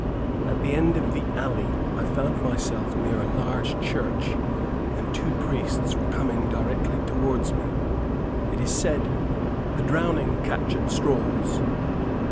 At the end of the alley, I found myself near a large church, and two priests were coming directly towards me. It is said "the drowning catch at straws."